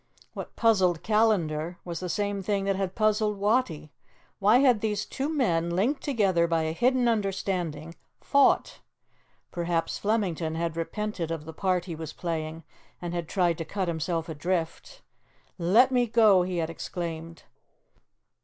What puzzled Callandar was the same thing that had puzzled Wattie: Why had these two men, linked together by a hidden understanding, fought? Perhaps Flemington had repented of the part he was playing, and had tried to cut himself adrift. "Let me go!" he had exclaimed.